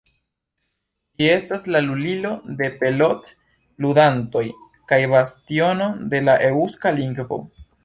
Ĝi estas la Lulilo de pelot-ludantoj kaj bastiono de la eŭska lingvo.